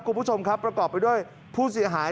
กลุ่มผู้ชมประกอบไปด้วยผู้เสียหาย